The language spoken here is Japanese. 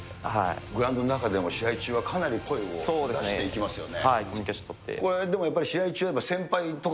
グラウンドの中でも、試合中はかなり声を出していきますよね。